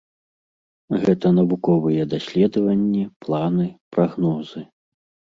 Гэта навуковыя даследаванні, планы, прагнозы.